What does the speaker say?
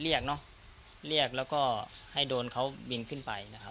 เราเลือกแล้วก็ให้โดรนเขาบินขึ้นไป